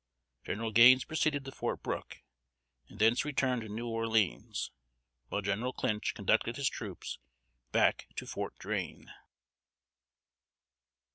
General Gaines proceeded to Fort Brooke, and thence returned to New Orleans; while General Clinch conducted his troops back to Fort Drane.